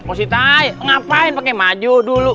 oh sita ngapain pake maju dulu